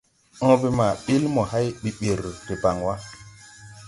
Õõbe ma ɓil mo hay ɓiɓir debaŋ wà.